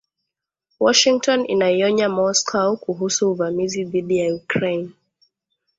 Washington inaionya Moscow kuhusu uvamizi dhidi ya Ukraine